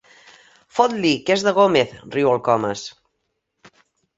Fot-li, que és de Gómez! —riu el Comas.